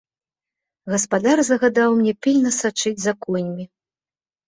Гаспадар загадаў мне пільна сачыць за коньмі.